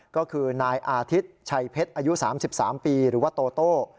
ก็คือนายอาทิตย์ชัยเพชรอายุ๓๓ปีหรือว่าโตโต้